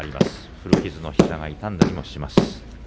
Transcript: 古傷の膝が痛んだりもします。